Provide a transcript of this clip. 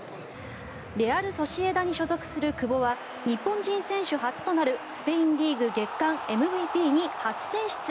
レアル・ソシエダに所属する久保は日本人選手初となるスペインリーグ月間ＭＶＰに初選出。